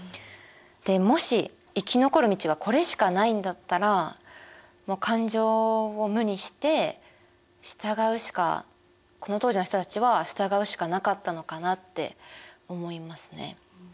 もし生き残る道がこれしかないんだったら感情を無にして従うしかこの当時の人たちは従うしかなかったのかなって思いますね。